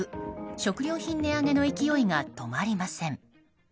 食料品値上げの勢いが止まりません。